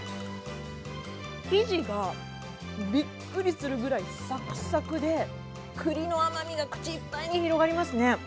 生地がびっくりするぐらいサクサクで栗の甘みが口いっぱいに広がりますね。